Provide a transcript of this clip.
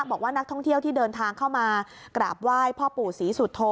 บอกว่านักท่องเที่ยวที่เดินทางเข้ามากราบไหว้พ่อปู่ศรีสุโธ